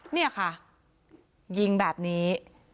นี่ค่ะยิงแบบนี้